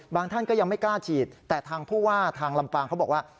ท่านก็ยังไม่กล้าฉีดแต่ทางผู้ว่าทางลำปางเขาบอกว่า